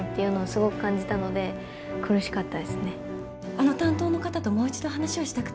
あの担当の方ともう一度話をしたくて。